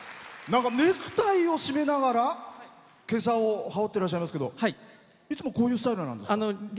ネクタイを締めながらけさを羽織ってらっしゃいますけどいつもこういうスタイルなんですか？